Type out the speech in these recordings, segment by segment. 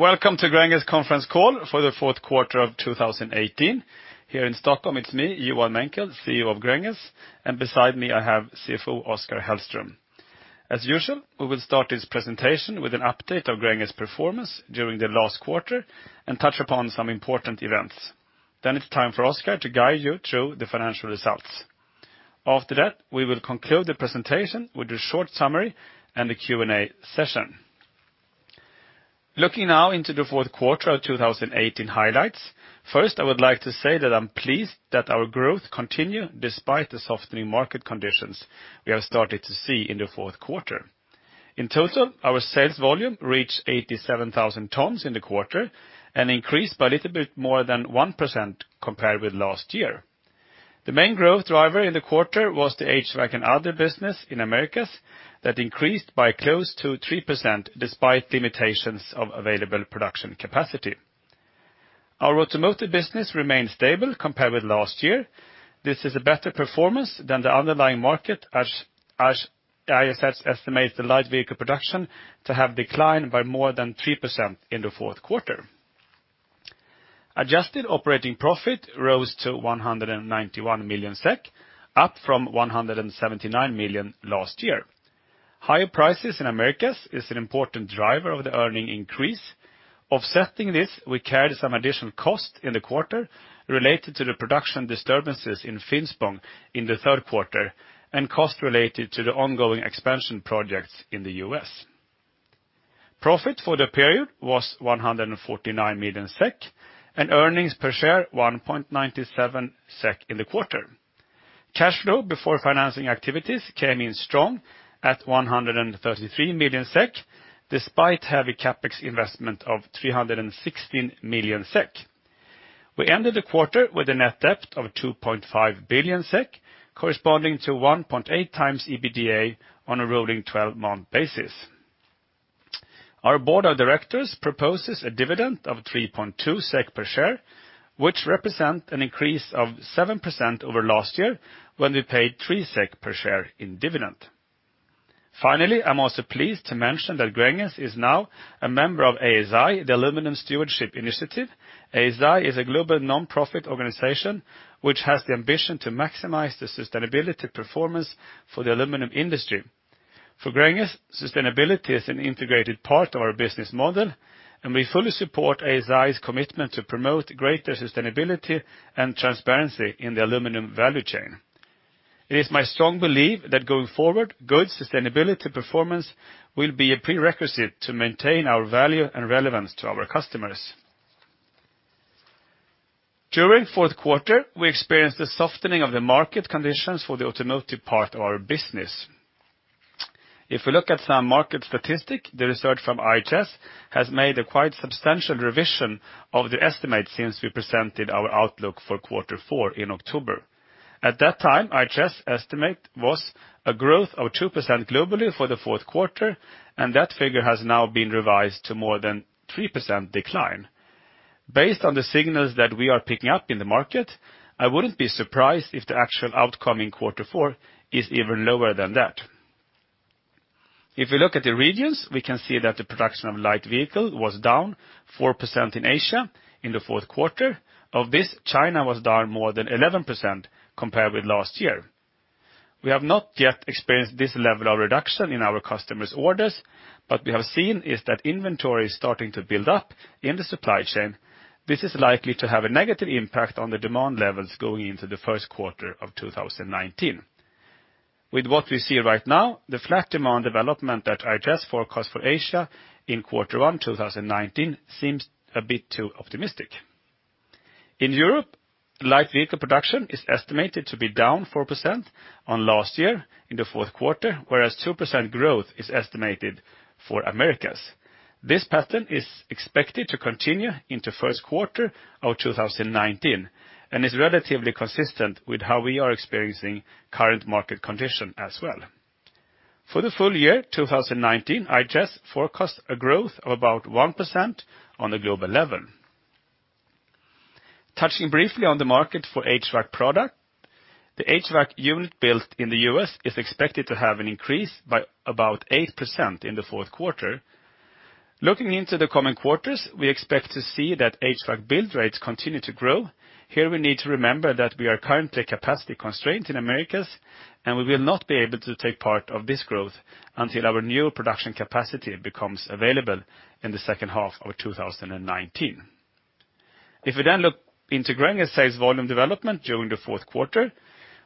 Welcome to Gränges conference call for the fourth quarter of 2018. Here in Stockholm, it's me, Johan Menckel, CEO of Gränges, and beside me I have CFO Oskar Hellström. As usual, we will start this presentation with an update of Gränges performance during the last quarter and touch upon some important events. It's time for Oskar to guide you through the financial results. We will conclude the presentation with a short summary and a Q&A session. Looking now into the fourth quarter of 2018 highlights. First, I would like to say that I'm pleased that our growth continue despite the softening market conditions we have started to see in the fourth quarter. In total, our sales volume reached 87,000 tons in the quarter and increased by a little bit more than 1% compared with last year. The main growth driver in the quarter was the HVAC and other business in Americas that increased by close to 3% despite limitations of available production capacity. Our automotive business remained stable compared with last year. This is a better performance than the underlying market as IHS estimates the light vehicle production to have declined by more than 3% in the fourth quarter. Adjusted operating profit rose to 191 million SEK, up from 179 million last year. Higher prices in Americas is an important driver of the earning increase. Offsetting this, we carried some additional cost in the quarter related to the production disturbances in Finspång in the third quarter, and cost related to the ongoing expansion projects in the U.S. Profit for the period was 149 million SEK, and earnings per share 1.97 SEK in the quarter. Cash flow before financing activities came in strong at 133 million SEK, despite heavy CapEx investment of 316 million SEK. We ended the quarter with a net debt of 2.5 billion SEK, corresponding to 1.8 times EBITDA on a rolling 12-month basis. Our board of directors proposes a dividend of 3.2 SEK per share, which represent an increase of 7% over last year when we paid 3 SEK per share in dividend. Finally, I'm also pleased to mention that Gränges is now a member of ASI, the Aluminium Stewardship Initiative. ASI is a global nonprofit organization which has the ambition to maximize the sustainability performance for the aluminium industry. For Gränges, sustainability is an integrated part of our business model, and we fully support ASI's commitment to promote greater sustainability and transparency in the aluminium value chain. It is my strong belief that going forward, good sustainability performance will be a prerequisite to maintain our value and relevance to our customers. During fourth quarter, we experienced a softening of the market conditions for the automotive part of our business. We look at some market statistic, the research from IHS has made a quite substantial revision of the estimate since we presented our outlook for quarter four in October. At that time, IHS estimate was a growth of 2% globally for the fourth quarter, and that figure has now been revised to more than 3% decline. Based on the signals that we are picking up in the market, I wouldn't be surprised if the actual outcome in quarter four is even lower than that. If we look at the regions, we can see that the production of light vehicle was down 4% in Asia in the fourth quarter. Of this, China was down more than 11% compared with last year. We have not yet experienced this level of reduction in our customers' orders, what we have seen is that inventory is starting to build up in the supply chain. This is likely to have a negative impact on the demand levels going into the first quarter of 2019. With what we see right now, the flat demand development that IHS forecast for Asia in quarter one 2019 seems a bit too optimistic. In Europe, light vehicle production is estimated to be down 4% on last year in the fourth quarter, whereas 2% growth is estimated for Americas. This pattern is expected to continue into first quarter of 2019 and is relatively consistent with how we are experiencing current market condition as well. For the full year 2019, IHS forecast a growth of about 1% on the global level. Touching briefly on the market for HVAC product, the HVAC unit built in the U.S. is expected to have an increase by about 8% in the fourth quarter. Looking into the coming quarters, we expect to see that HVAC build rates continue to grow. Here we need to remember that we are currently capacity constrained in Americas, and we will not be able to take part of this growth until our new production capacity becomes available in the second half of 2019. If we then look into Gränges sales volume development during the fourth quarter,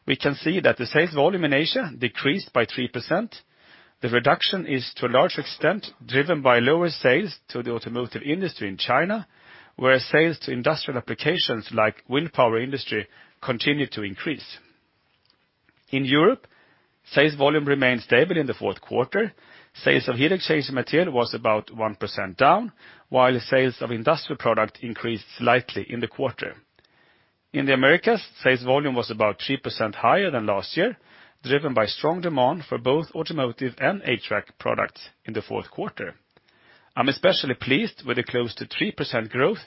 we can see that the sales volume in Asia decreased by 3%. The reduction is to a large extent driven by lower sales to the automotive industry in China, where sales to industrial applications like wind power industry continue to increase. In Europe, sales volume remained stable in the fourth quarter. Sales of heat exchange material was about 1% down, while sales of industrial product increased slightly in the quarter. In the Americas, sales volume was about 3% higher than last year, driven by strong demand for both automotive and HVAC products in the fourth quarter. I'm especially pleased with the close to 3% growth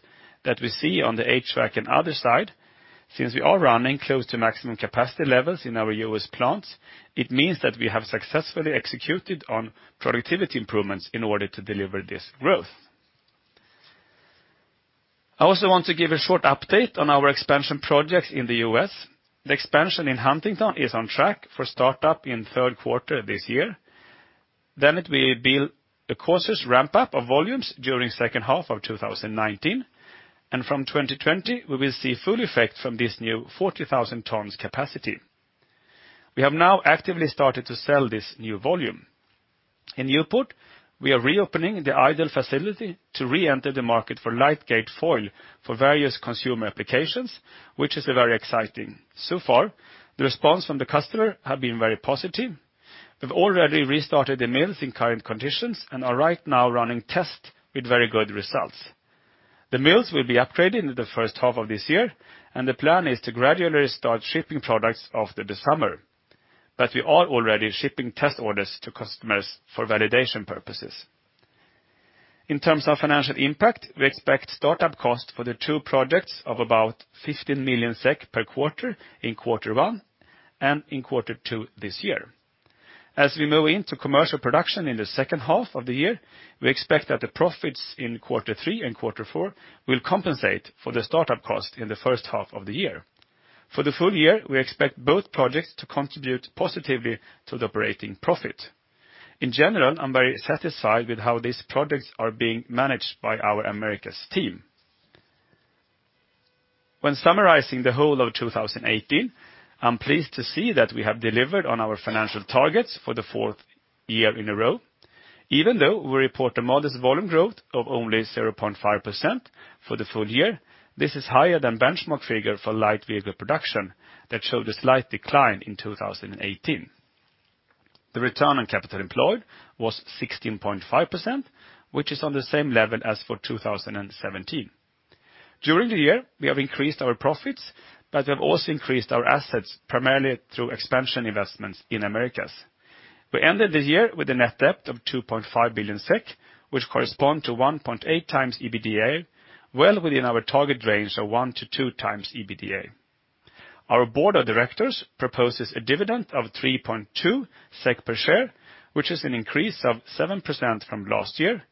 that we see on the HVAC and other side, since we are running close to maximum capacity levels in our U.S. plants, it means that we have successfully executed on productivity improvements in order to deliver this growth. I also want to give a short update on our expansion projects in the U.S. The expansion in Huntington is on track for startup in third quarter this year. It will be the cautious ramp-up of volumes during second half of 2019. From 2020, we will see full effect from this new 40,000 tons capacity. We have now actively started to sell this new volume. In Newport, we are reopening the idle facility to re-enter the market for light gauge foil for various consumer applications, which is very exciting. So far, the response from the customer have been very positive. We've already restarted the mills in current conditions and are right now running tests with very good results. The mills will be upgraded in the first half of this year, and the plan is to gradually start shipping products after the summer. We are already shipping test orders to customers for validation purposes. In terms of financial impact, we expect startup costs for the two projects of about 15 million SEK per quarter in quarter one and in quarter two this year. As we move into commercial production in the second half of the year, we expect that the profits in quarter three and quarter four will compensate for the startup cost in the first half of the year. For the full year, we expect both projects to contribute positively to the operating profit. In general, I'm very satisfied with how these projects are being managed by our Americas team. When summarizing the whole of 2018, I'm pleased to see that we have delivered on our financial targets for the fourth year in a row. Even though we report a modest volume growth of only 0.5% for the full year, this is higher than benchmark figure for light vehicle production that showed a slight decline in 2018. The return on capital employed was 16.5%, which is on the same level as for 2017. During the year, we have increased our profits, but we have also increased our assets, primarily through expansion investments in Americas. We ended the year with a net debt of 2.5 billion SEK, which correspond to 1.8 times EBITDA, well within our target range of one to two times EBITDA. Our board of directors proposes a dividend of 3.2 SEK per share, which is an increase of 7% from last year.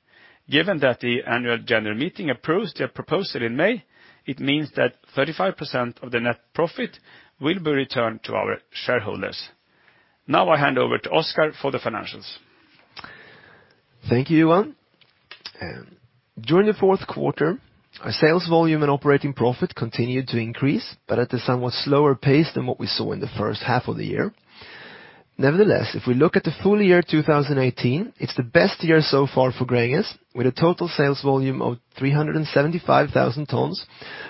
Given that the annual general meeting approved a proposal in May, it means that 35% of the net profit will be returned to our shareholders. Now I hand over to Oskar for the financials. Thank you, Johan. During the fourth quarter, our sales volume and operating profit continued to increase, but at a somewhat slower pace than what we saw in the first half of the year. Nevertheless, if we look at the full year 2018, it's the best year so far for Gränges, with a total sales volume of 375,000 tons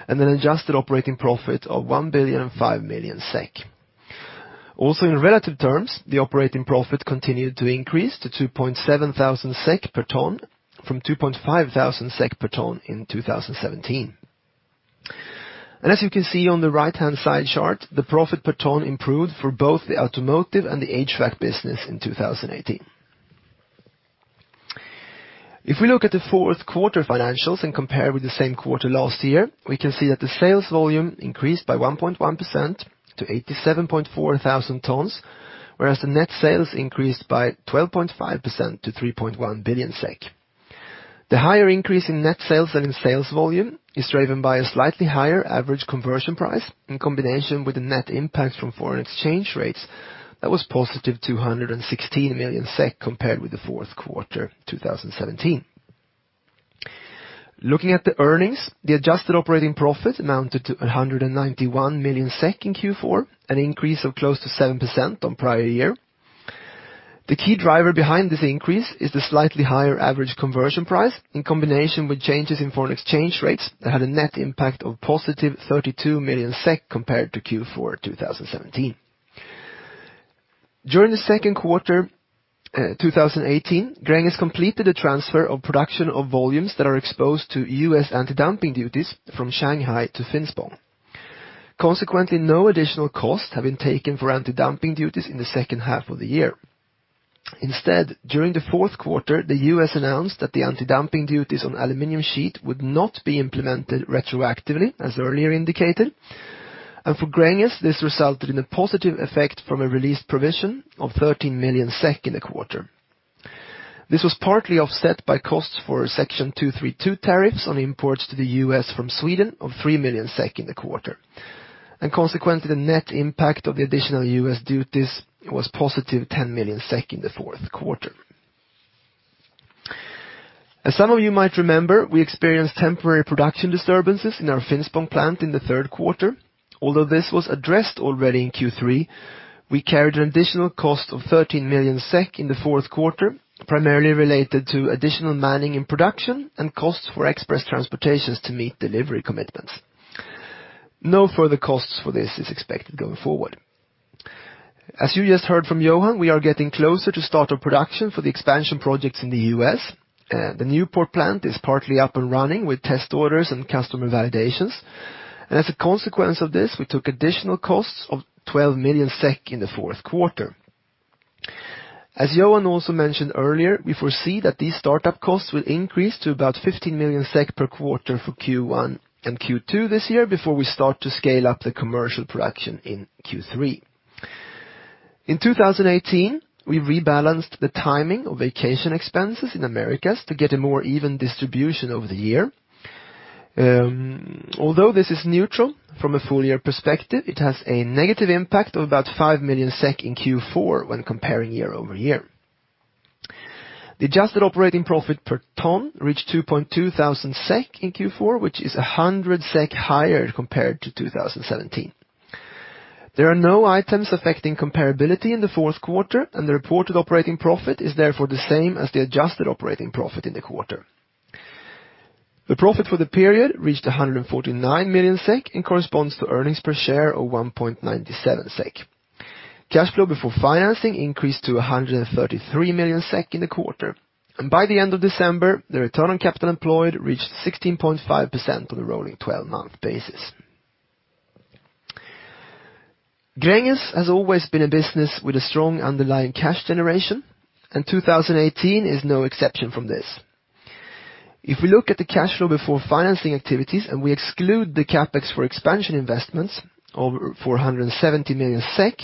and an adjusted operating profit of 1,005 million SEK. Also in relative terms, the operating profit continued to increase to 2.7 thousand SEK per ton from 2.5 thousand SEK per ton in 2017. As you can see on the right-hand side chart, the profit per ton improved for both the automotive and the HVAC business in 2018. If we look at the fourth quarter financials and compare with the same quarter last year, we can see that the sales volume increased by 1.1% to 87,400 tons, whereas the net sales increased by 12.5% to 3.1 billion SEK. The higher increase in net sales than in sales volume is driven by a slightly higher average conversion price in combination with the net impact from foreign exchange rates that was positive 216 million SEK compared with the fourth quarter 2017. Looking at the earnings, the adjusted operating profit amounted to 191 million SEK in Q4, an increase of close to 7% on prior year. The key driver behind this increase is the slightly higher average conversion price in combination with changes in foreign exchange rates that had a net impact of positive 32 million SEK compared to Q4 2017. During the second quarter 2018, Gränges completed a transfer of production of volumes that are exposed to U.S. anti-dumping duties from Shanghai to Finspång. Consequently, no additional costs have been taken for anti-dumping duties in the second half of the year. During the fourth quarter, the U.S. announced that the anti-dumping duties on aluminium sheet would not be implemented retroactively, as earlier indicated. For Gränges, this resulted in a positive effect from a released provision of 13 million SEK in the quarter. This was partly offset by costs for Section 232 tariffs on imports to the U.S. from Sweden of 3 million SEK in the quarter. Consequently, the net impact of the additional U.S. duties was positive 10 million SEK in the fourth quarter. As some of you might remember, we experienced temporary production disturbances in our Finspång plant in the third quarter. Although this was addressed already in Q3, we carried an additional cost of 13 million SEK in the fourth quarter, primarily related to additional manning in production and costs for express transportations to meet delivery commitments. No further costs for this is expected going forward. As you just heard from Johan, we are getting closer to start of production for the expansion projects in the U.S. The Newport plant is partly up and running with test orders and customer validations. As a consequence of this, we took additional costs of 12 million SEK in the fourth quarter. As Johan also mentioned earlier, we foresee that these startup costs will increase to about 15 million SEK per quarter for Q1 and Q2 this year before we start to scale up the commercial production in Q3. In 2018, we rebalanced the timing of vacation expenses in Americas to get a more even distribution over the year. Although this is neutral from a full year perspective, it has a negative impact of about 5 million SEK in Q4 when comparing year-over-year. The adjusted operating profit per ton reached 2,200 SEK in Q4, which is 100 SEK higher compared to 2017. There are no items affecting comparability in the fourth quarter, and the reported operating profit is therefore the same as the adjusted operating profit in the quarter. The profit for the period reached 149 million SEK and corresponds to earnings per share of 1.97 SEK. Cash flow before financing increased to 133 million SEK in the quarter. By the end of December, the return on capital employed reached 16.5% on a rolling 12-month basis. Gränges has always been a business with a strong underlying cash generation, and 2018 is no exception from this. If we look at the cash flow before financing activities, we exclude the CapEx for expansion investments of 470 million SEK,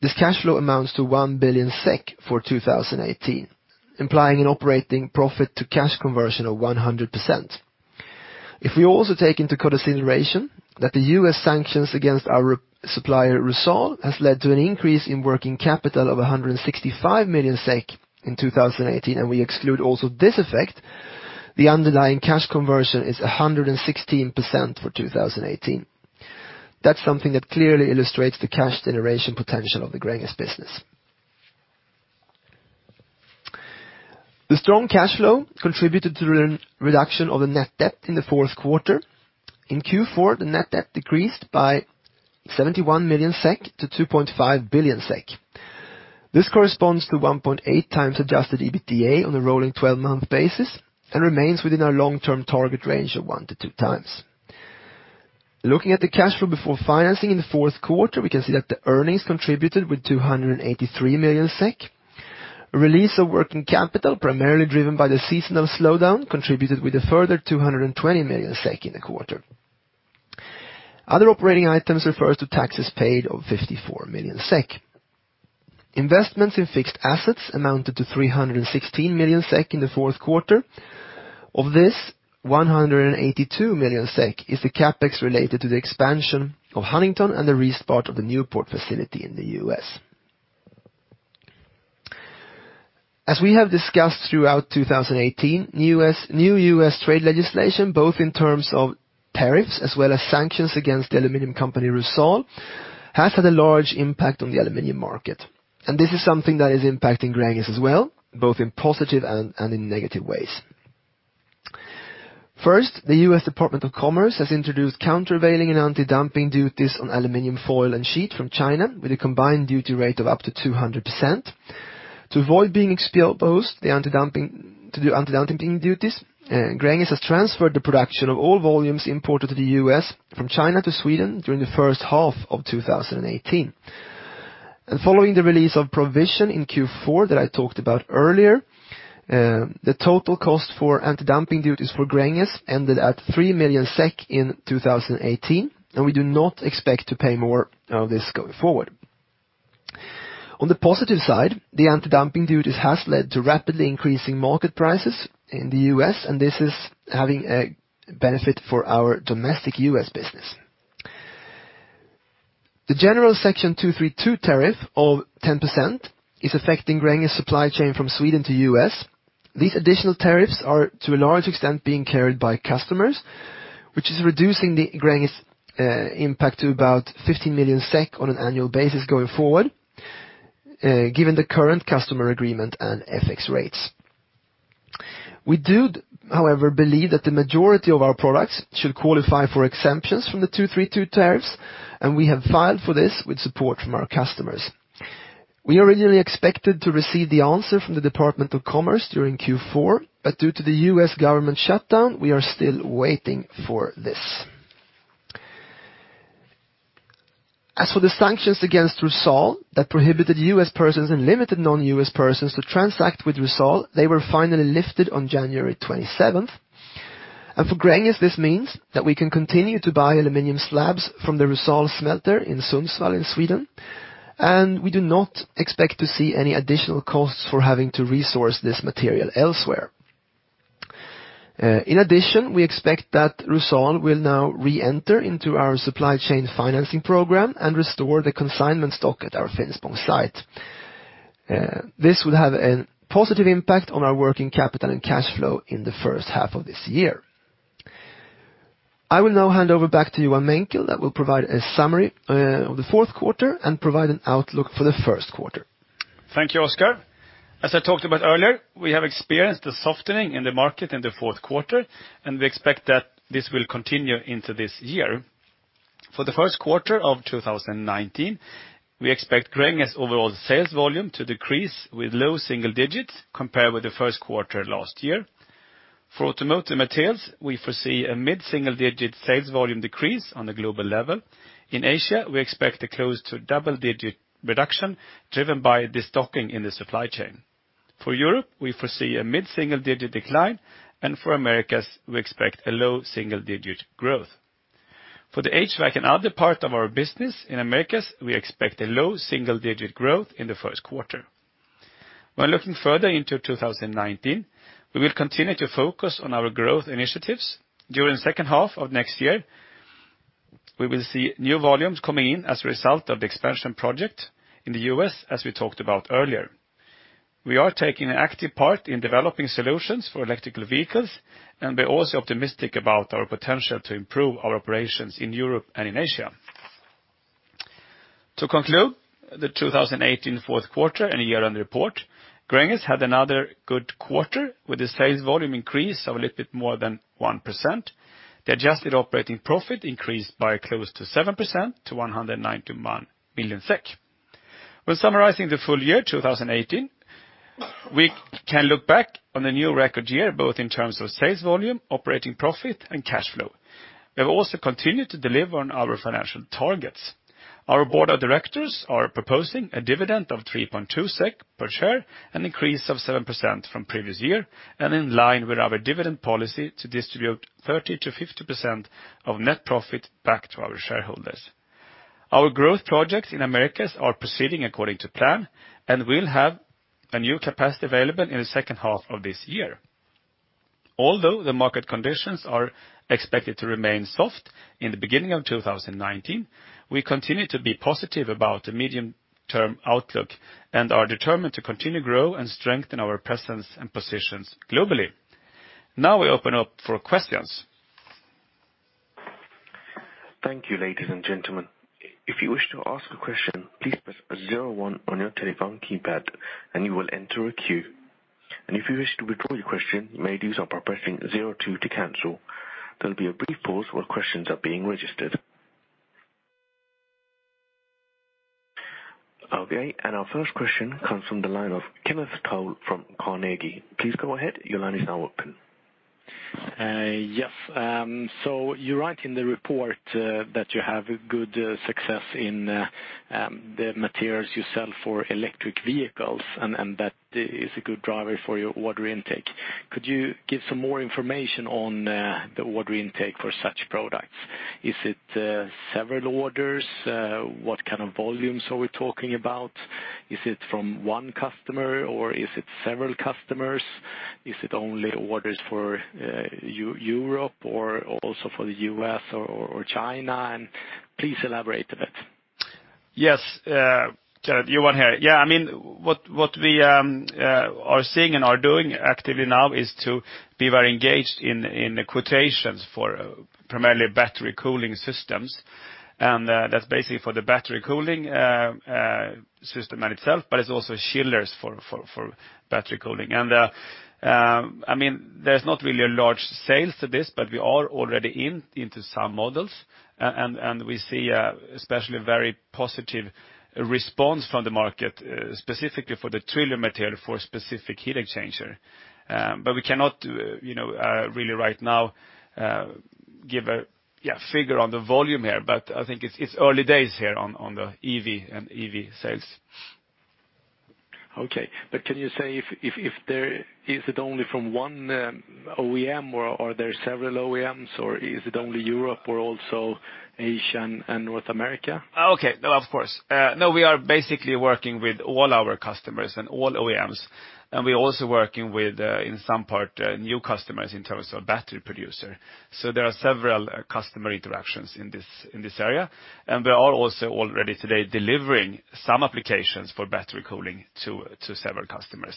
this cash flow amounts to 1 billion SEK for 2018, implying an operating profit to cash conversion of 100%. If we also take into consideration that the U.S. sanctions against our supplier, Rusal, has led to an increase in working capital of 165 million SEK in 2018, we exclude also this effect, the underlying cash conversion is 116% for 2018. That's something that clearly illustrates the cash generation potential of the Gränges business. The strong cash flow contributed to the reduction of the net debt in the fourth quarter. In Q4, the net debt decreased by 71 million SEK to 2.5 billion SEK. This corresponds to 1.8 times adjusted EBITDA on a rolling 12-month basis and remains within our long-term target range of one to two times. Looking at the cash flow before financing in the fourth quarter, we can see that the earnings contributed with 283 million SEK. A release of working capital, primarily driven by the seasonal slowdown, contributed with a further 220 million in the quarter. Other operating items refers to taxes paid of 54 million SEK. Investments in fixed assets amounted to 316 million SEK in the fourth quarter. Of this, 182 million SEK is the CapEx related to the expansion of Huntington and the restart of the Newport facility in the U.S. As we have discussed throughout 2018, new U.S. trade legislation, both in terms of tariffs as well as sanctions against the aluminum company, Rusal, has had a large impact on the aluminum market, this is something that is impacting Gränges as well, both in positive and in negative ways. First, the U.S. Department of Commerce has introduced countervailing and anti-dumping duties on aluminum foil and sheet from China with a combined duty rate of up to 200%. To avoid being exposed to the anti-dumping duties, Gränges has transferred the production of all volumes imported to the U.S. from China to Sweden during the first half of 2018. Following the release of provision in Q4 that I talked about earlier, the total cost for anti-dumping duties for Gränges ended at 3 million SEK in 2018, we do not expect to pay more of this going forward. On the positive side, the anti-dumping duties has led to rapidly increasing market prices in the U.S., this is having a benefit for our domestic U.S. business. The general Section 232 tariff of 10% is affecting Gränges supply chain from Sweden to U.S. These additional tariffs are, to a large extent, being carried by customers, which is reducing the Gränges impact to about 15 million SEK on an annual basis going forward, given the current customer agreement and FX rates. We do, however, believe that the majority of our products should qualify for exemptions from the 232 tariffs, we have filed for this with support from our customers. We originally expected to receive the answer from the Department of Commerce during Q4, due to the U.S. government shutdown, we are still waiting for this. As for the sanctions against Rusal that prohibited U.S. persons and limited non-U.S. persons to transact with Rusal, they were finally lifted on January 27th. For Gränges, this means that we can continue to buy aluminium slabs from the Rusal smelter in Sundsvall in Sweden, and we do not expect to see any additional costs for having to resource this material elsewhere. In addition, we expect that Rusal will now reenter into our supply chain financing program and restore the consignment stock at our Finspång site. This will have a positive impact on our working capital and cash flow in the first half of this year. I will now hand over back to Johan Menckel that will provide a summary of the fourth quarter and provide an outlook for the first quarter. Thank you, Oskar. As I talked about earlier, we have experienced a softening in the market in the fourth quarter, we expect that this will continue into this year. For the first quarter of 2019, we expect Gränges overall sales volume to decrease with low single digits compared with the first quarter last year. For automotive materials, we foresee a mid-single digit sales volume decrease on a global level. In Asia, we expect a close to double-digit reduction driven by destocking in the supply chain. For Europe, we foresee a mid-single-digit decline, and for Americas, we expect a low single-digit growth. For the HVAC and other part of our business in Americas, we expect a low single-digit growth in the first quarter. When looking further into 2019, we will continue to focus on our growth initiatives. During second half of next year, we will see new volumes coming in as a result of the expansion project in the U.S., as we talked about earlier. We are taking an active part in developing solutions for electrical vehicles, we're also optimistic about our potential to improve our operations in Europe and in Asia. To conclude, the 2018 fourth quarter and a year-end report, Gränges had another good quarter with a sales volume increase of a little bit more than 1%. The adjusted operating profit increased by close to 7% to 191 million SEK. When summarizing the full year 2018, we can look back on a new record year, both in terms of sales volume, operating profit, and cash flow. We have also continued to deliver on our financial targets. Our board of directors are proposing a dividend of 3.2 SEK per share, an increase of 7% from previous year, and in line with our dividend policy to distribute 30%-50% of net profit back to our shareholders. Our growth projects in Americas are proceeding according to plan, we'll have a new capacity available in the second half of this year. Although the market conditions are expected to remain soft in the beginning of 2019, we continue to be positive about the medium-term outlook and are determined to continue grow and strengthen our presence and positions globally. Now we open up for questions. Thank you, ladies and gentlemen. If you wish to ask a question, please press 01 on your telephone keypad, and you will enter a queue. If you wish to withdraw your question, you may do so by pressing 02 to cancel. There'll be a brief pause while questions are being registered. Okay, our first question comes from the line of Kenneth Toll from Carnegie. Please go ahead. Your line is now open. Yes. You write in the report that you have a good success in the materials you sell for electric vehicles, and that is a good driver for your order intake. Could you give some more information on the order intake for such products? Is it several orders? What kind of volumes are we talking? Is it from one customer, or is it several customers? Is it only orders for Europe or also for the U.S. or China? Please elaborate a bit. Yes. Kenneth, Johan here. What we are seeing and are doing actively now is to be very engaged in the quotations for primarily battery cooling systems. That's basically for the battery cooling system in itself, but it's also chillers for battery cooling. There's not really a large sales to this, but we are already into some models, and we see especially very positive response from the market, specifically for the Trillium material for specific heat exchanger. We cannot really right now give a figure on the volume here, but I think it's early days here on the EV and EV sales. Okay. Can you say, is it only from one OEM or are there several OEMs, or is it only Europe or also Asia and North America? Okay. No, of course. We are basically working with all our customers and all OEMs, we're also working with in some part new customers in terms of battery producer. There are several customer interactions in this area. We are also already today delivering some applications for battery cooling to several customers.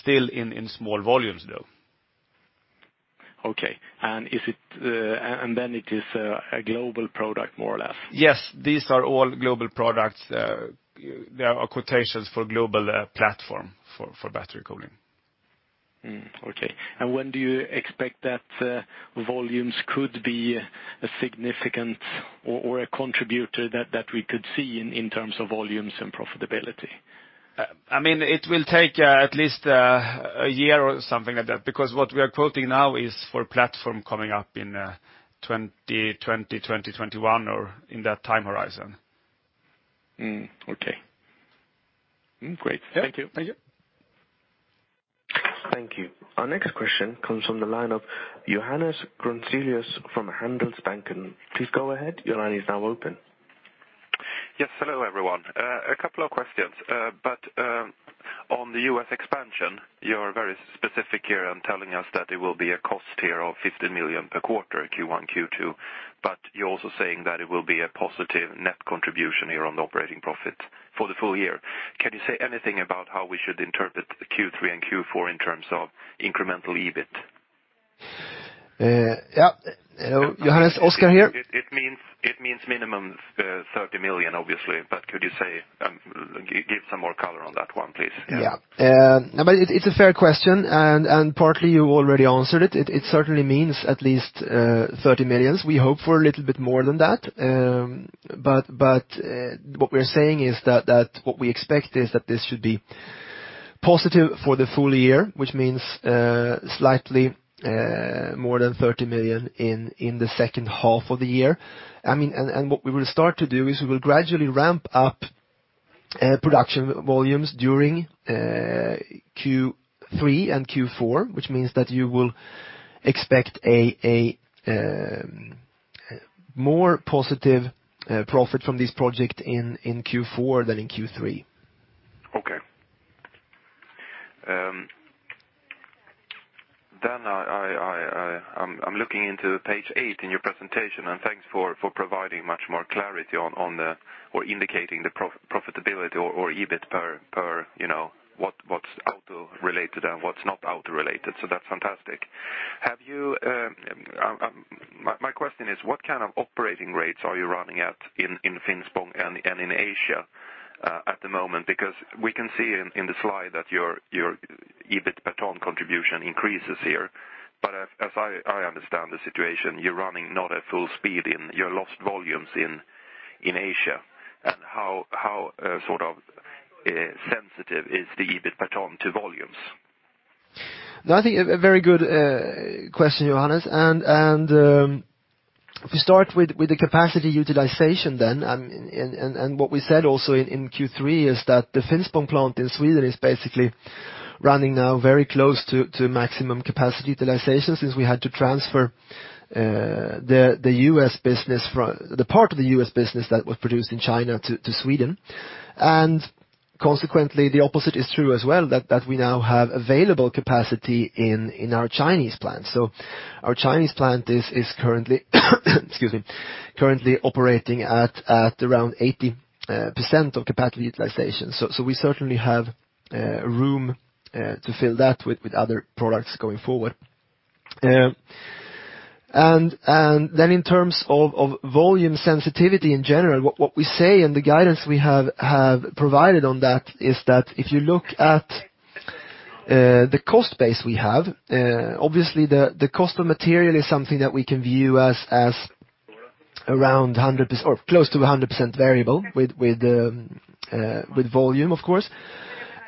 Still in small volumes, though. Okay. It is a global product, more or less? Yes. These are all global products. There are quotations for global platform for battery cooling. Okay. When do you expect that volumes could be a significant or a contributor that we could see in terms of volumes and profitability? It will take at least a year or something like that, because what we are quoting now is for platform coming up in 2020, 2021, or in that time horizon. Okay. Great. Thank you. Thank you. Thank you. Our next question comes from the line of Johannes Grunselius from Handelsbanken. Please go ahead. Your line is now open. Yes. Hello, everyone. A couple of questions. On the U.S. expansion, you are very specific here on telling us that it will be a cost here of 50 million per quarter, Q1, Q2. You're also saying that it will be a positive net contribution here on the operating profit for the full year. Can you say anything about how we should interpret Q3 and Q4 in terms of incremental EBIT? Yeah. Johannes, Oskar here. It means minimum 30 million, obviously. Could you give some more color on that one, please? Yeah. It's a fair question, and partly you already answered it. It certainly means at least 30 million. We hope for a little bit more than that. What we're saying is that what we expect is that this should be positive for the full year, which means slightly more than 30 million in the second half of the year. What we will start to do is we will gradually ramp up production volumes during Q3 and Q4, which means that you will expect a more positive profit from this project in Q4 than in Q3. Okay. I'm looking into page 8 in your presentation, and thanks for providing much more clarity or indicating the profitability or EBIT per what's auto-related and what's not auto-related. That's fantastic. My question is, what kind of operating rates are you running at in Finspång and in Asia at the moment? Because we can see in the slide that your EBIT per ton contribution increases here. But as I understand the situation, you're running not at full speed in your low volumes in Asia. How sort of sensitive is the EBIT per ton to volumes? No, I think a very good question, Johannes. If we start with the capacity utilization, what we said also in Q3 is that the Finspång plant in Sweden is basically running now very close to maximum capacity utilization since we had to transfer the part of the U.S. business that was produced in China to Sweden. Consequently, the opposite is true as well, that we now have available capacity in our Chinese plant. Our Chinese plant is currently, excuse me, currently operating at around 80% of capacity utilization. We certainly have room to fill that with other products going forward. Then in terms of volume sensitivity in general, what we say and the guidance we have provided on that is that if you look at the cost base we have, obviously the cost of material is something that we can view as close to 100% variable with volume, of course.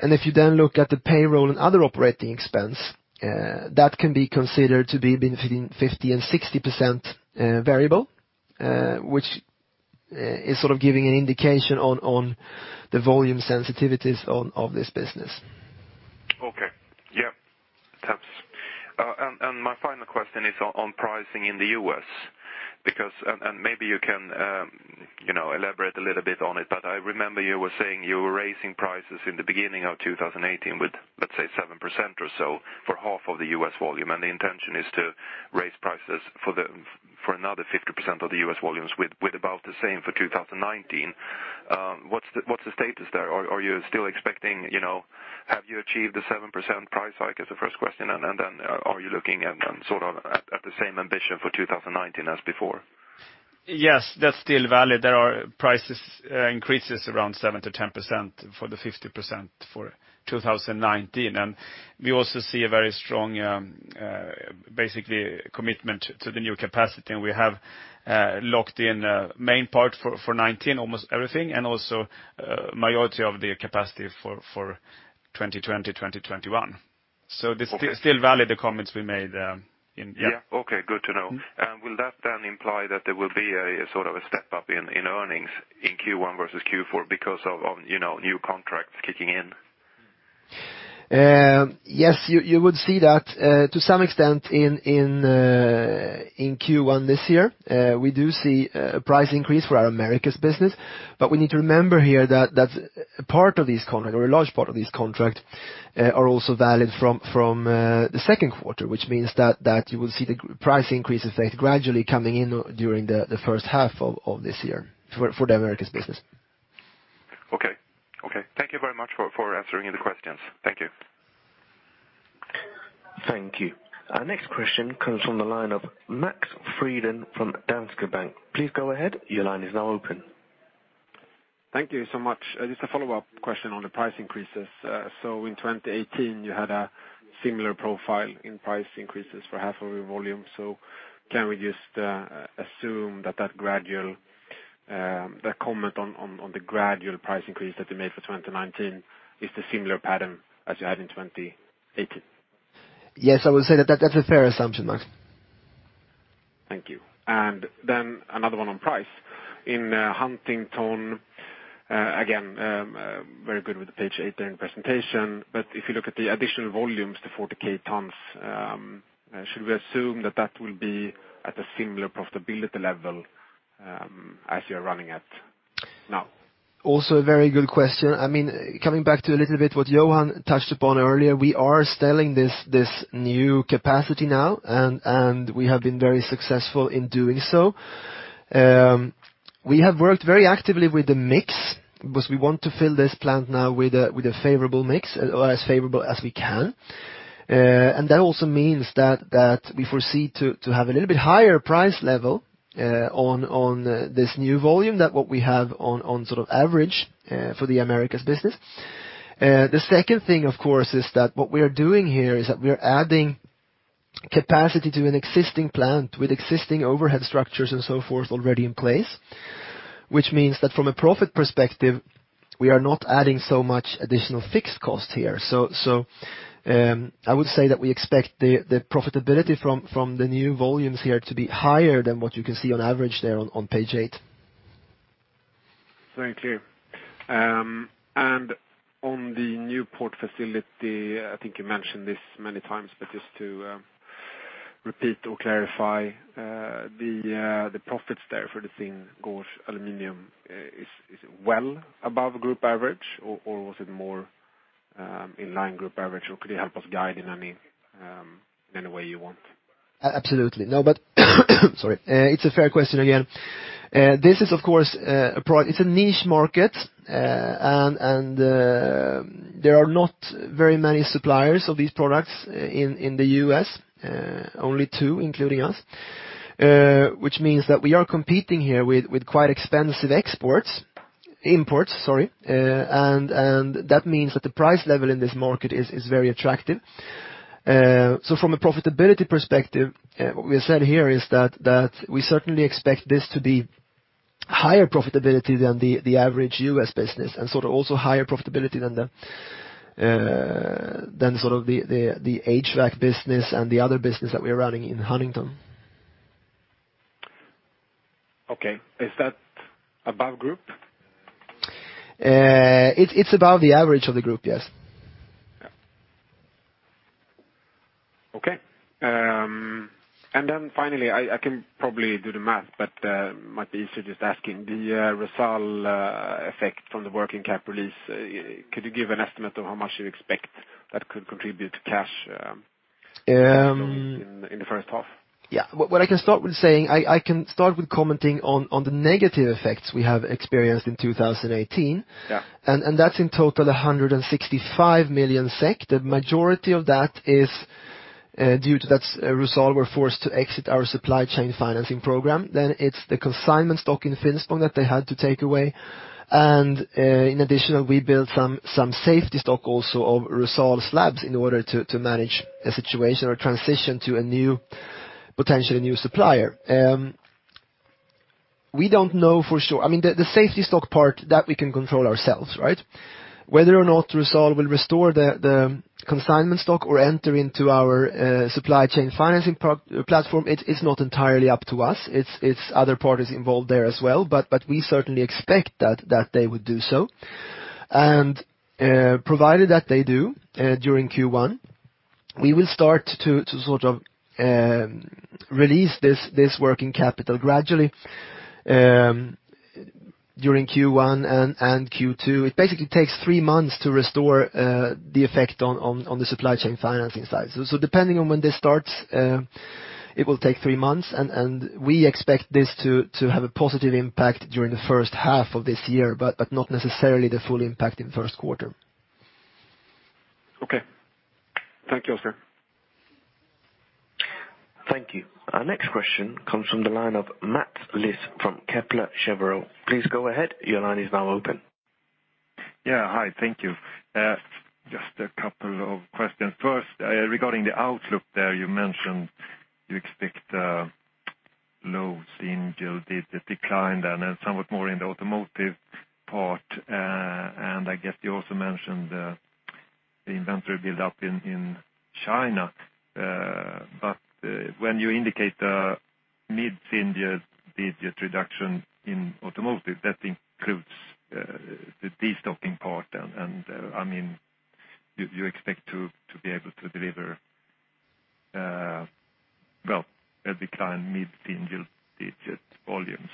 If you then look at the payroll and other operating expense, that can be considered to be between 50% and 60% variable, which is sort of giving an indication on the volume sensitivities of this business. Okay. Yep. Thanks. My final question is on pricing in the U.S. Maybe you can elaborate a little bit on it, but I remember you were saying you were raising prices in the beginning of 2018 with, let's say, 7% or so for half of the U.S. volume. The intention is to raise prices for another 50% of the U.S. volumes with about the same for 2019. What's the status there? Have you achieved the 7% price hike is the first question, are you looking at sort of the same ambition for 2019 as before? Yes, that's still valid. There are price increases around 7% to 10% for the 50% for 2019. We also see a very strong, basically, commitment to the new capacity, we have locked in main part for 2019, almost everything, and also majority of the capacity for 2020, 2021. This is still valid, the comments we made, yeah. Yeah. Okay, good to know. Will that then imply that there will be a sort of a step-up in earnings in Q1 versus Q4 because of new contracts kicking in? Yes, you would see that to some extent in Q1 this year. We do see a price increase for our Americas business, we need to remember here that a part of this contract or a large part of this contract are also valid from the second quarter, which means that you will see the price increases gradually coming in during the first half of this year for the Americas business. Okay. Thank you very much for answering the questions. Thank you. Thank you. Our next question comes from the line of Max Frydén from Danske Bank. Please go ahead. Your line is now open. Thank you so much. Just a follow-up question on the price increases. In 2018, you had a similar profile in price increases for half of your volume. Can we just assume that the comment on the gradual price increase that you made for 2019 is the similar pattern as you had in 2018? Yes, I would say that that's a fair assumption, Max. Thank you. Another one on price. In Huntington, again, very good with the page eight there in the presentation, if you look at the additional volumes, the 40,000 tons, should we assume that that will be at a similar profitability level as you're running at now? Also a very good question. Coming back to a little bit what Johan touched upon earlier, we are selling this new capacity now, we have been very successful in doing so. We have worked very actively with the mix because we want to fill this plant now with a favorable mix or as favorable as we can. That also means that we foresee to have a little bit higher price level on this new volume than what we have on sort of average for the Americas business. The second thing, of course, is that what we are doing here is that we are adding capacity to an existing plant with existing overhead structures and so forth already in place, which means that from a profit perspective, we are not adding so much additional fixed cost here. I would say that we expect the profitability from the new volumes here to be higher than what you can see on average there on page eight. Thank you. On the Newport facility, I think you mentioned this many times, but just to repeat or clarify, the profits there for the thing Gränges Americas is well above group average, or was it more in line group average, or could you help us guide in any way you want? Absolutely. No, but sorry. It's a fair question again. This is, of course, a niche market, and there are not very many suppliers of these products in the U.S., only two, including us, which means that we are competing here with quite expensive imports. That means that the price level in this market is very attractive. From a profitability perspective, what we have said here is that we certainly expect this to be higher profitability than the average U.S. business and also higher profitability than the HVAC business and the other business that we are running in Huntington. Okay. Is that above group? It's above the average of the group, yes. Okay. Finally, I can probably do the math, but might be easier just asking. The Rusal effect from the working capital release, could you give an estimate of how much you expect that could contribute to cash in the first half? Yeah. What I can start with saying, I can start with commenting on the negative effects we have experienced in 2018. Yeah. That's in total 165 million SEK. The majority of that is due to that Rusal were forced to exit our supply chain financing program. It is the consignment stock in Finspång that they had to take away. In addition, we built some safety stock also of Rusal slabs in order to manage a situation or transition to a potential new supplier. We don't know for sure. The safety stock part, that we can control ourselves. Whether or not Rusal will restore the consignment stock or enter into our supply chain financing platform, it is not entirely up to us. It's other parties involved there as well, but we certainly expect that they would do so. Provided that they do during Q1, we will start to release this working capital gradually during Q1 and Q2. It basically takes three months to restore the effect on the supply chain financing side. Depending on when this starts, it will take three months, and we expect this to have a positive impact during the first half of this year, but not necessarily the full impact in the first quarter. Okay. Thank you, Oskar. Thank you. Our next question comes from the line of Mats Liss from Kepler Cheuvreux. Please go ahead. Your line is now open. Yeah. Hi, thank you. Just a couple of questions. First, regarding the outlook there, you mentioned you expect a low single-digit decline then, and somewhat more in the automotive part. I guess you also mentioned the inventory build-up in China. When you indicate a mid-single digit reduction in automotive, that includes the de-stocking part then, and you expect to be able to deliver a decline mid-single digit volumes?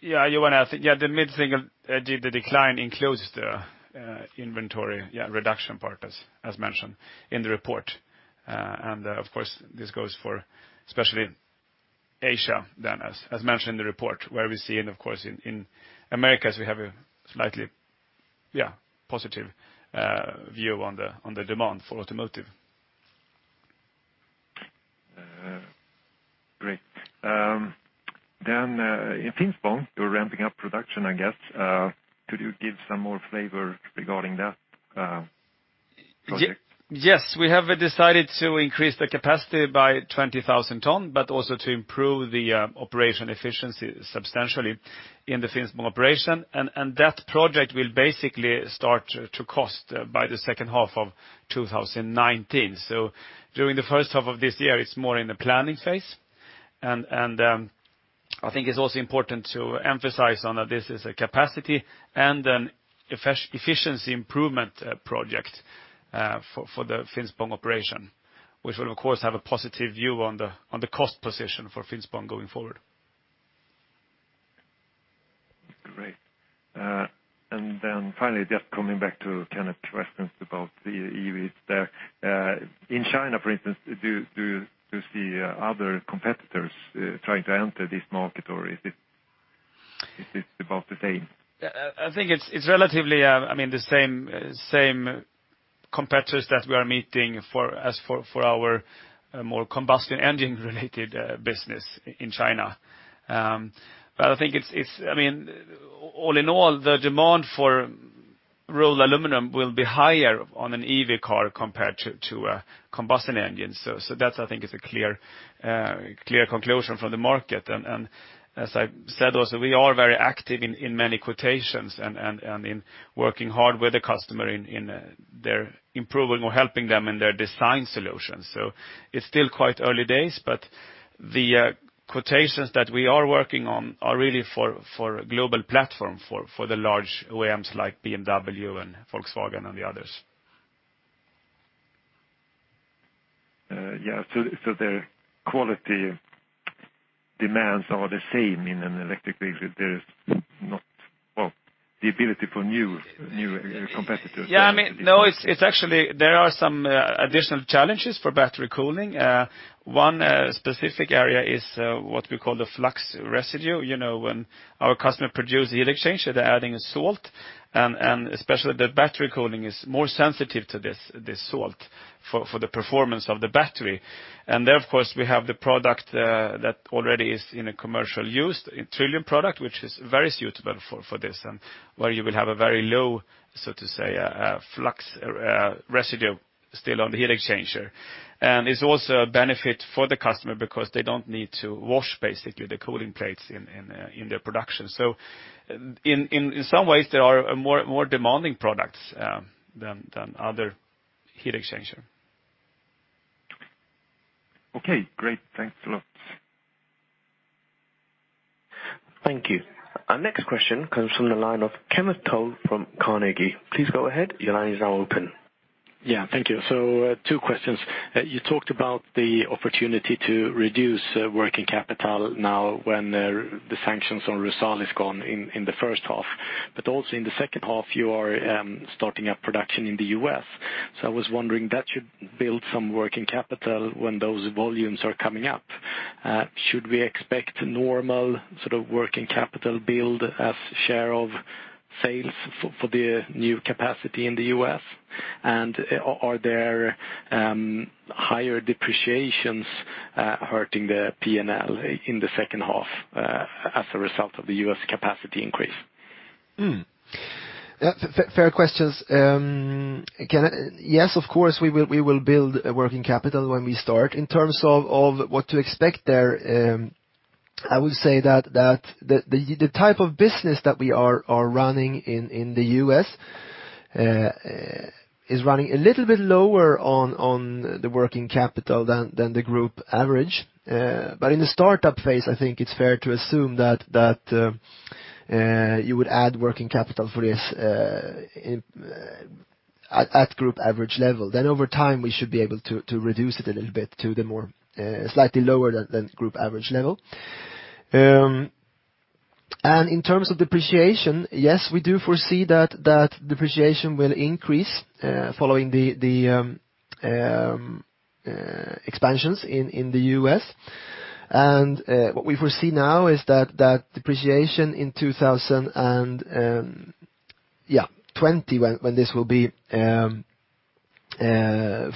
Yeah, the mid-single digit decline includes the inventory reduction part as mentioned in the report. Of course, this goes for especially Asia then, as mentioned in the report, where we see, and of course in Americas, we have a slightly positive view on the demand for automotive. Great. In Finspång, you're ramping up production, I guess. Could you give some more flavor regarding that project? Yes. We have decided to increase the capacity by 20,000 tons, but also to improve the operation efficiency substantially in the Finspång operation. That project will basically start to cost by the second half of 2019. During the first half of this year, it's more in the planning phase. I think it's also important to emphasize that this is a capacity and an efficiency improvement project for the Finspång operation, which will, of course, have a positive view on the cost position for Finspång going forward. Great. Finally, just coming back to Kenneth's questions about the EVs there. In China, for instance, do you see other competitors trying to enter this market, or is this about the same? I think it's relatively the same competitors that we are meeting as for our more combustion engine related business in China. I think all in all, the demand for rolled aluminium will be higher on an EV car compared to a combustion engine. That I think is a clear conclusion from the market. As I said also, we are very active in many quotations and in working hard with the customer in their improving or helping them in their design solutions. It's still quite early days, but the quotations that we are working on are really for a global platform for the large OEMs like BMW and Volkswagen and the others. Yeah. The quality demands are the same in an electric vehicle. There's not the ability for new competitors. Yeah. No, actually, there are some additional challenges for battery cooling. One specific area is what we call the flux residue. When our customer produce heat exchange, they're adding salt, and especially the battery cooling is more sensitive to this salt for the performance of the battery. There, of course, we have the product that already is in a commercial use, Trillium product, which is very suitable for this, where you will have a very low, so to say, flux residue still on the heat exchanger. It's also a benefit for the customer because they don't need to wash basically the cooling plates in their production. In some ways, there are more demanding products than other heat exchanger. Okay, great. Thanks a lot. Thank you. Our next question comes from the line of Kenneth Toll from Carnegie. Please go ahead. Your line is now open. Yeah, thank you. Two questions. You talked about the opportunity to reduce working capital now when the sanctions on Rusal is gone in the first half. Also in the second half, you are starting up production in the U.S. I was wondering, that should build some working capital when those volumes are coming up. Should we expect normal sort of working capital build as share of sales for the new capacity in the U.S.? Are there higher depreciations hurting the P&L in the second half as a result of the U.S. capacity increase? Fair questions. Kenneth, yes, of course we will build a working capital when we start. In terms of what to expect there, I would say that the type of business that we are running in the U.S. is running a little bit lower on the working capital than the group average. In the startup phase, I think it's fair to assume that you would add working capital for this at group average level. Over time, we should be able to reduce it a little bit to the more slightly lower than group average level. In terms of depreciation, yes, we do foresee that depreciation will increase following the expansions in the U.S. What we foresee now is that depreciation in 2020, when this will be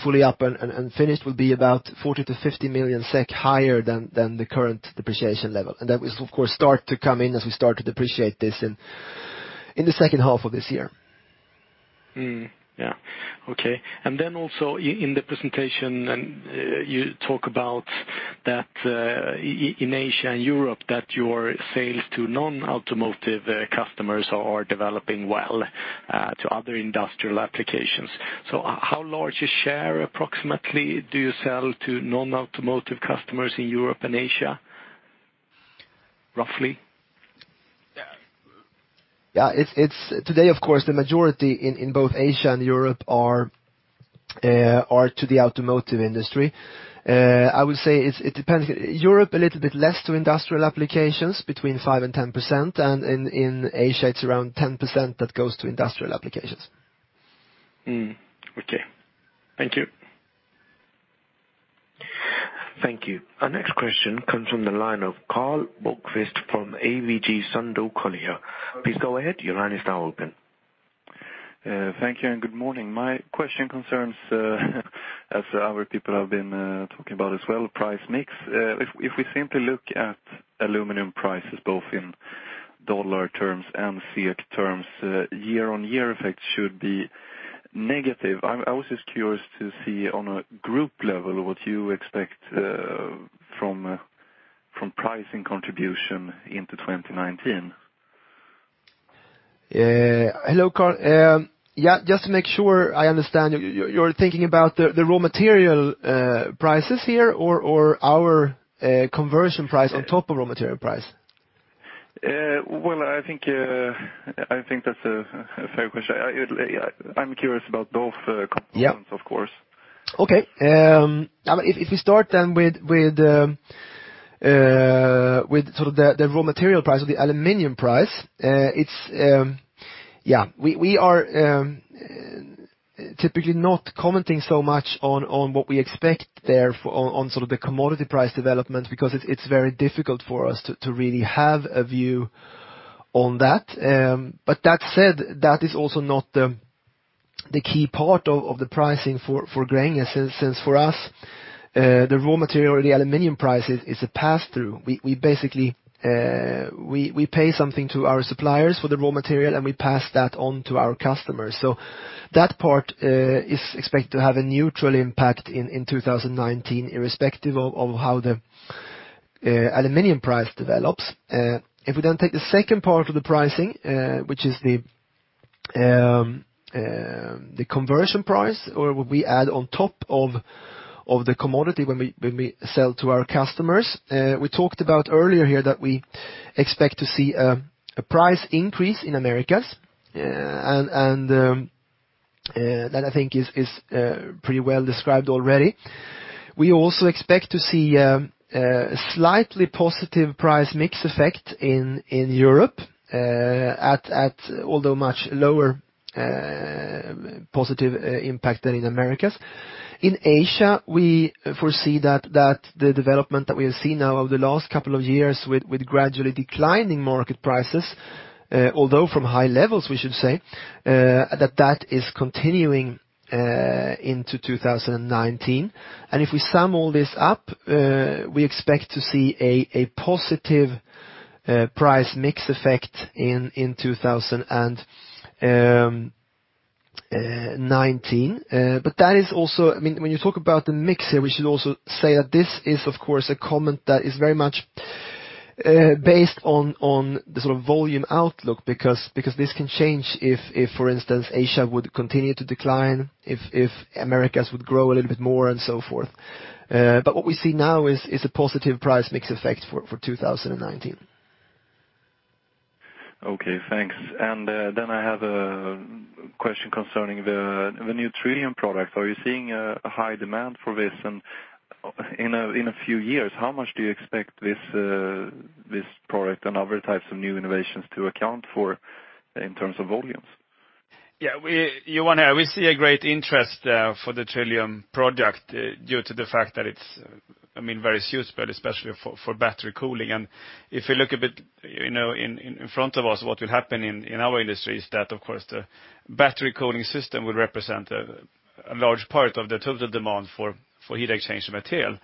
fully up and finished, will be about 40 million-50 million SEK higher than the current depreciation level. That will of course start to come in as we start to depreciate this in the second half of this year. Also in the presentation, you talk about that in Asia and Europe, that your sales to non-automotive customers are developing well to other industrial applications. How large a share approximately do you sell to non-automotive customers in Europe and Asia, roughly? Today, of course, the majority in both Asia and Europe are to the automotive industry. I would say it depends. Europe, a little bit less to industrial applications, between 5%-10%, and in Asia, it's around 10% that goes to industrial applications. Okay. Thank you. Thank you. Our next question comes from the line of Karl Bokvist from ABG Sundal Collier. Please go ahead. Your line is now open. Thank you. Good morning. My question concerns as other people have been talking about as well, price mix. If we simply look at aluminum prices, both in USD terms and SEK terms, year-on-year effect should be negative. I was just curious to see on a group level what you expect from pricing contribution into 2019. Hello, Karl. Yeah, just to make sure I understand, you're thinking about the raw material prices here or our conversion price on top of raw material price? Well, I think that's a fair question. I'm curious about both components. Yeah Of course. Okay. If we start with the raw material price or the aluminum price, we are typically not commenting so much on what we expect there on the commodity price development because it's very difficult for us to really have a view on that. That said, that is also not the key part of the pricing for Gränges, since for us, the raw material or the aluminum price is a pass-through. We pay something to our suppliers for the raw material, and we pass that on to our customers. That part is expected to have a neutral impact in 2019, irrespective of how the aluminum price develops. If we take the second part of the pricing, which is the conversion price, or what we add on top of the commodity when we sell to our customers. We talked about earlier here that we expect to see a price increase in Americas, that I think is pretty well-described already. We also expect to see a slightly positive price mix effect in Europe, although much lower positive impact than in Americas. In Asia, we foresee that the development that we have seen now over the last couple of years with gradually declining market prices, although from high levels, we should say, that that is continuing into 2019. If we sum all this up, we expect to see a positive price mix effect in 2019. When you talk about the mix here, we should also say that this is, of course, a comment that is very much based on the volume outlook because this can change if, for instance, Asia would continue to decline, if Americas would grow a little bit more, and so forth. What we see now is a positive price mix effect for 2019. Okay, thanks. Then I have a question concerning the new Trillium product. Are you seeing a high demand for this? In a few years, how much do you expect this product and other types of new innovations to account for in terms of volumes? Johan, we see a great interest for the Trillium product due to the fact that it's very suitable, especially for battery cooling. If we look a bit in front of us, what will happen in our industry is that, of course, the battery cooling system will represent a large part of the total demand for heat exchange material.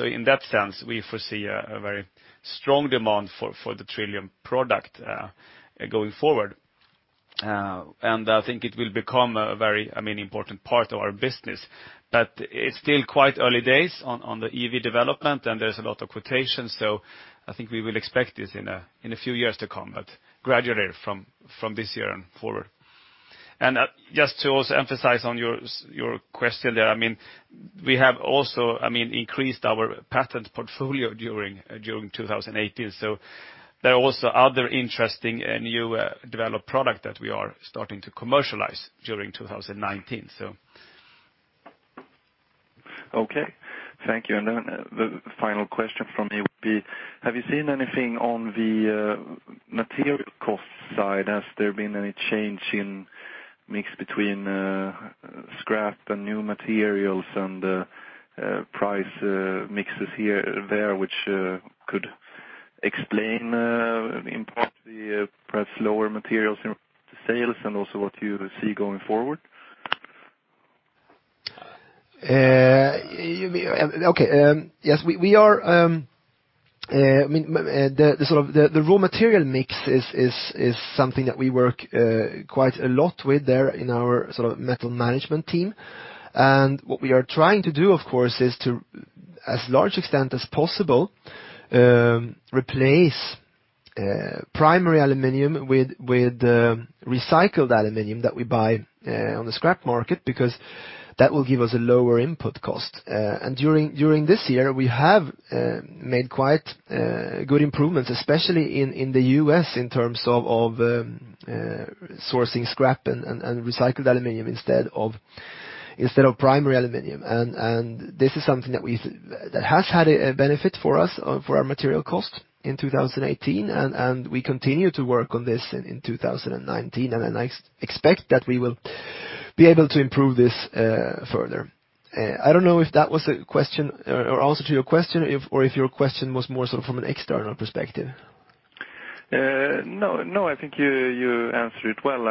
In that sense, we foresee a very strong demand for the Trillium product going forward. I think it will become a very important part of our business. It's still quite early days on the EV development, and there's a lot of quotations, I think we will expect this in a few years to come, but gradually from this year and forward. Just to also emphasize on your question there, we have also increased our patent portfolio during 2018. There are also other interesting new developed product that we are starting to commercialize during 2019. Okay. Thank you. The final question from me would be, have you seen anything on the material cost side? Has there been any change in mix between scrap and new materials and price mixes there which could explain, in part, the perhaps lower materials sales and also what you see going forward? Okay. The raw material mix is something that we work quite a lot with there in our metal management team. What we are trying to do, of course, is to, as large extent as possible, replace primary aluminum with recycled aluminum that we buy on the scrap market, because that will give us a lower input cost. During this year, we have made quite good improvements, especially in the U.S., in terms of sourcing scrap and recycled aluminum instead of primary aluminum. This is something that has had a benefit for us, for our material cost in 2018, and we continue to work on this in 2019, and I expect that we will be able to improve this further. I don't know if that was an answer to your question, or if your question was more from an external perspective. No, I think you answered it well.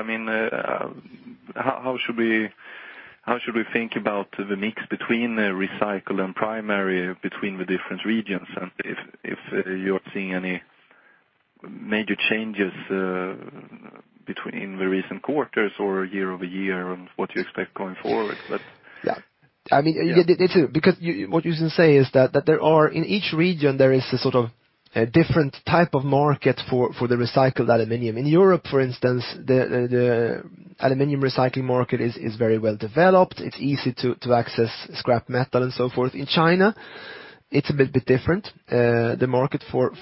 How should we think about the mix between recycle and primary between the different regions, and if you are seeing any major changes between the recent quarters or year-over-year and what you expect going forward? Yeah. What you can say is that in each region, there is a different type of market for the recycled aluminum. In Europe, for instance, the aluminum recycling market is very well developed. It's easy to access scrap metal and so forth. In China, it's a bit different. The market for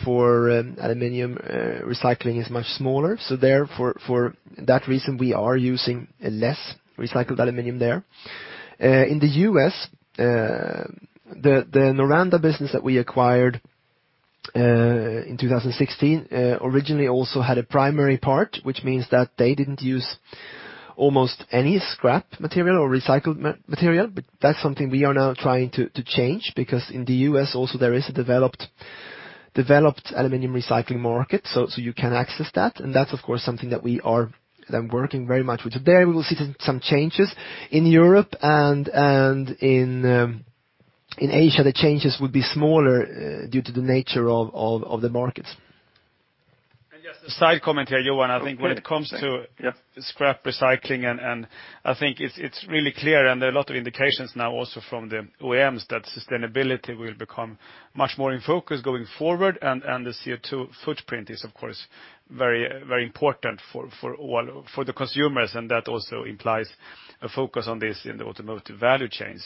aluminum recycling is much smaller. There, for that reason, we are using less recycled aluminum there. In the U.S., the Noranda business that we acquired in 2016 originally also had a primary part, which means that they didn't use almost any scrap material or recycled material. That's something we are now trying to change, because in the U.S. also, there is a developed aluminum recycling market, so you can access that. That's, of course, something that we are then working very much with. There we will see some changes. In Europe and in Asia, the changes would be smaller due to the nature of the markets. Just a side comment here, Johan. I think when it comes to scrap recycling, I think it's really clear and there are a lot of indications now also from the OEMs that sustainability will become much more in focus going forward, and the CO2 footprint is, of course, very important for the consumers, and that also implies a focus on this in the automotive value chain.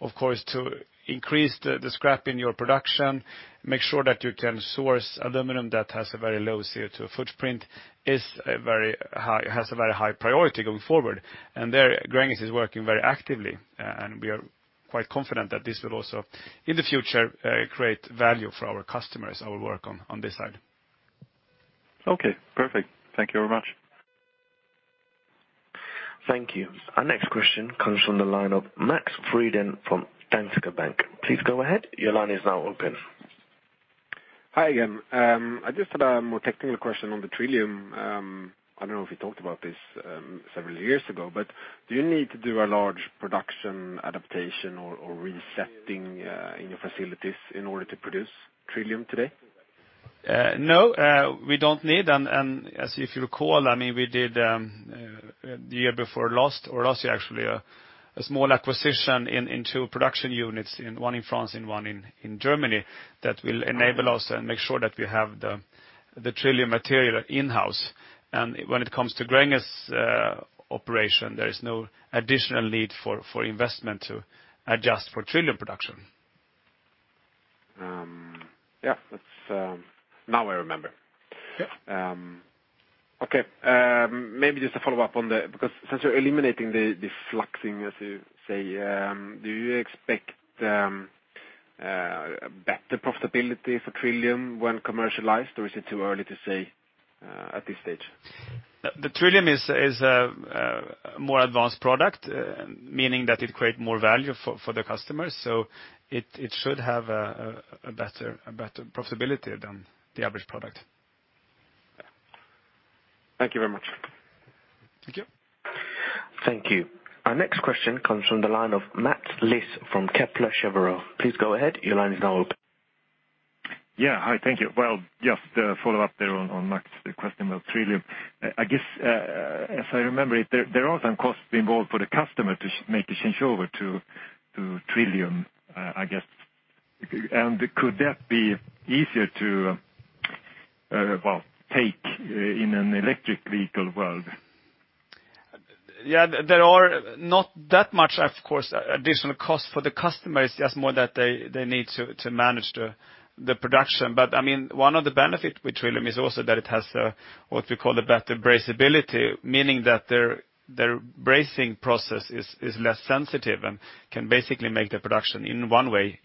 Of course, to increase the scrap in your production, make sure that you can source aluminum that has a very low CO2 footprint, has a very high priority going forward. There Gränges is working very actively, and we are quite confident that this will also, in the future, create value for our customers, our work on this side. Okay, perfect. Thank you very much. Thank you. Our next question comes from the line of Max Frydén from Danske Bank. Please go ahead. Your line is now open. Hi again. I just had a more technical question on the Trillium. I don't know if you talked about this several years ago, but do you need to do a large production adaptation or resetting in your facilities in order to produce Trillium today? No, we don't need. As if you'll recall, we did, the year before last or last year, actually, a small acquisition in 2 production units, one in France and one in Germany, that will enable us and make sure that we have the Trillium material in-house. When it comes to Gränges' operation, there is no additional need for investment to adjust for Trillium production. Yeah. Now I remember. Yeah. Okay. Maybe just a follow-up. Since you're eliminating the fluxing, as you say, do you expect better profitability for Trillium when commercialized, or is it too early to say at this stage? The Trillium is a more advanced product, meaning that it create more value for the customers. It should have a better profitability than the average product. Thank you very much. Thank you. Thank you. Our next question comes from the line of Mats Liss from Kepler Cheuvreux. Please go ahead. Your line is now open. Yeah. Hi. Thank you. Well, just a follow-up there on Max's question about Trillium. I guess, as I remember it, there are some costs involved for the customer to make the changeover to Trillium, I guess. Could that be easier to, well, take in an electric vehicle world? Yeah, there are not that much, of course, additional cost for the customers, just more that they need to manage the production. One of the benefit with Trillium is also that it has what we call a better brazeability, meaning that their brazing process is less sensitive and can basically make the production in one way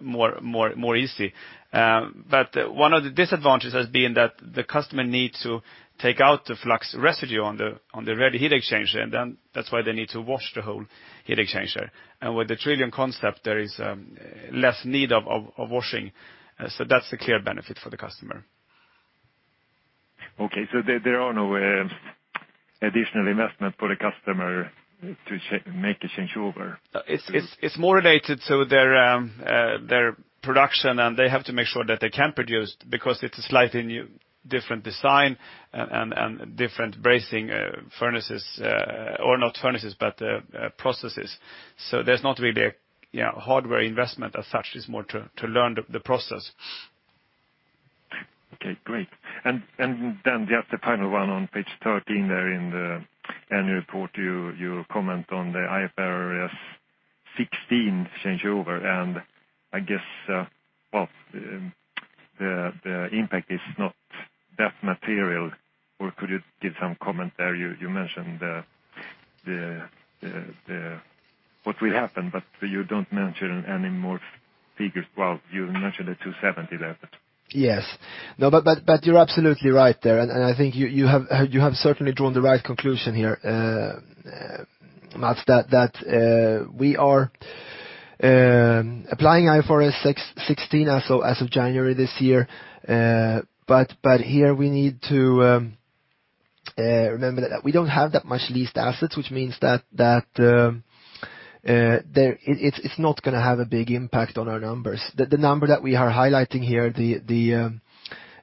more easy. One of the disadvantages has been that the customer needs to take out the flux residue on the ready heat exchanger. That's why they need to wash the whole heat exchanger. With the Trillium concept, there is less need of washing. That's the clear benefit for the customer. There are no additional investment for the customer to make a changeover? It's more related to their production, and they have to make sure that they can produce because it's a slightly different design and different brazing furnaces, or not furnaces, but processes. There's not really a hardware investment as such. It's more to learn the process. Okay, great. Just the final one on page 13 there in the annual report, you comment on the IFRS 16 changeover, and I guess, well, the impact is not that material. Could you give some comment there? You mentioned what will happen, but you don't mention any more figures. You mentioned the 270 there. Yes. You're absolutely right there. I think you have certainly drawn the right conclusion here, Mats, that we are applying IFRS 16 as of January this year. Here we need to remember that we don't have that much leased assets, which means that it's not going to have a big impact on our numbers. The number that we are highlighting here, the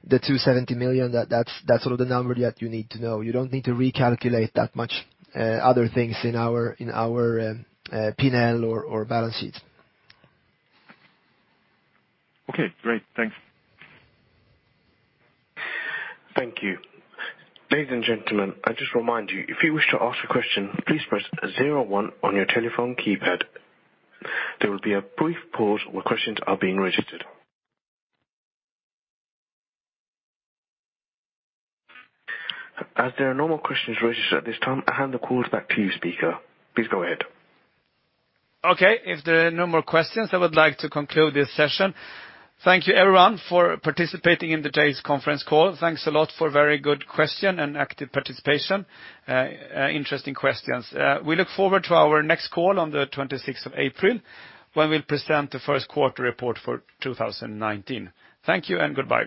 270 million, that's sort of the number that you need to know. You don't need to recalculate that much other things in our P&L or balance sheets. Okay, great. Thanks. Thank you. Ladies and gentlemen, I just remind you, if you wish to ask a question, please press zero one on your telephone keypad. There will be a brief pause while questions are being registered. As there are no more questions registered at this time, I hand the calls back to you, speaker. Please go ahead. Okay. If there are no more questions, I would like to conclude this session. Thank you everyone for participating in today's conference call. Thanks a lot for very good question and active participation. Interesting questions. We look forward to our next call on the 26th of April, when we'll present the first quarter report for 2019. Thank you and goodbye.